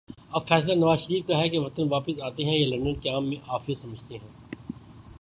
اب فیصلہ نوازشریف کا ہے کہ وطن واپس آتے ہیں یا لندن قیام میں عافیت سمجھتے ہیں۔